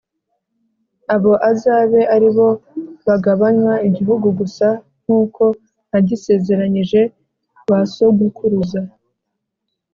Abo azabe ari bo bagabanywa igihugu gusa nkuko nagiseranyije ba sogukuruza